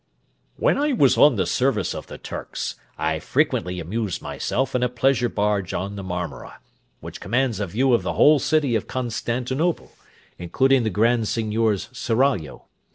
_ When I was in the service of the Turks I frequently amused myself in a pleasure barge on the Marmora, which commands a view of the whole city of Constantinople, including the Grand Seignior's Seraglio.